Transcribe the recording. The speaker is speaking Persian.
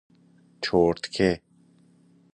چرتکه